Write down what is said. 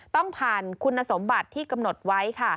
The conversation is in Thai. ต้องผ่านคุณสมบัติที่กำหนดไว้ค่ะ